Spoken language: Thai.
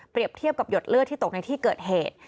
เทียบกับหยดเลือดที่ตกในที่เกิดเหตุ